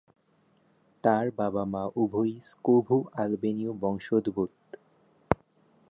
তার বাবা-মা উভয়েই ক্সোভো-আলবেনীয় বংশোদ্ভূত।